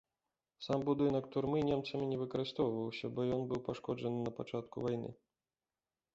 Сам будынак турмы немцамі не выкарыстоўваўся, бо ён быў пашкоджаны напачатку вайны.